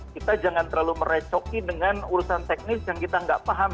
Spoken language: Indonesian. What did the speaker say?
kita jangan terlalu merecoki dengan urusan teknis yang kita nggak paham